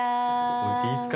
置いていいっすか？